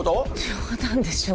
冗談でしょ